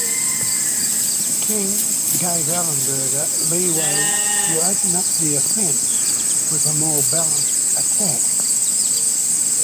King gave Ellenberger leeway to open up the offense with a more balanced attack.